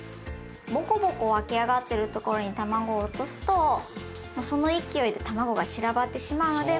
ぼこぼこ湧き上がっているところにたまごを落とすとその勢いでたまごが散らばってしまうので。